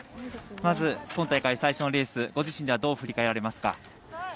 まず今大会、最初のレースご自身ではどう振り返られますか？